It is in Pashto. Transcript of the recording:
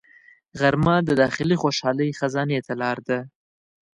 غرمه د داخلي خوشحالۍ خزانې ته لار ده